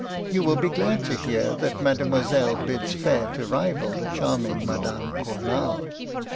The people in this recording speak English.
You will be glad to hear that mademoiselle bids fair to rival the charming Madame Cournal.